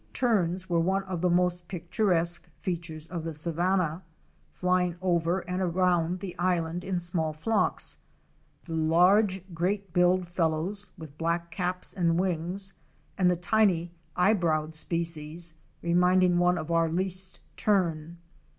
Terns were one of the most picturesque features of the savanna, flying over and around the island in small flocks, the large Great billed fellows * with black caps and wings, and the tiny Eye browed species ° reminding one of our Least Tern.